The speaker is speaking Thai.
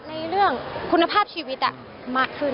ในเรื่องคุณภาพชีวิตมากขึ้น